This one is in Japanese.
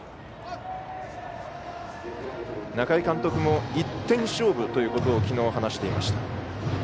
中井監督も１点勝負ということをきのう話していました。